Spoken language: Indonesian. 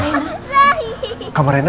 terima kasih di